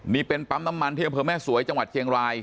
นี่เป็นปั๊มน้ำมันที่อำเภอแม่สวยจังหวัดเชียงราย